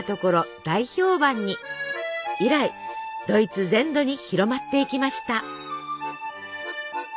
以来ドイツ全土に広まっていきました。